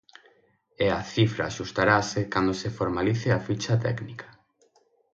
E a cifra axustarase cando se formalice a ficha técnica.